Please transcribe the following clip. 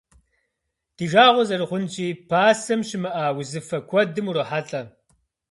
Ди жагъуэ зэрыхъунщи, пасэм щымыӏа узыфэ куэдым урохьэлӏэ.